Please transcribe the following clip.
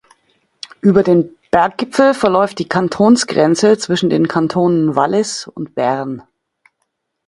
Über den Berggipfel verläuft die Kantonsgrenze zwischen den Kantonen Wallis und Bern.